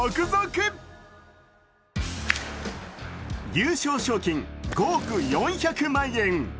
優勝賞金５億４００万円。